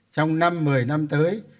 trong năm một mươi năm tới